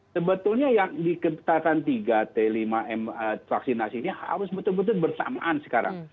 sebetulnya yang diketatan tiga t lima m vaksinasi ini harus betul betul bersamaan sekarang